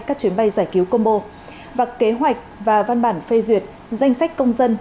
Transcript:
các chuyến bay giải cứu combo và kế hoạch và văn bản phê duyệt danh sách công dân